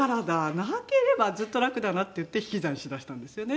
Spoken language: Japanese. なければずっと楽だなっていって引き算しだしたんですよね。